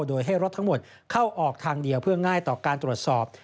โดยให้รถทั้งหมดเข้าออกทางเดียวเพื่อง่ายต่อการตรวจสอบ